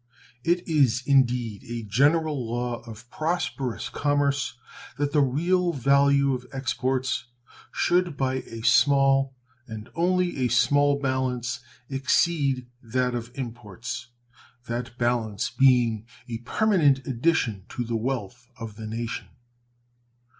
It is, indeed, a general law of prosperous commerce that the real value of exports should by a small, and only a small, balance exceed that of imports, that balance being a permanent addition to the wealth of the nation.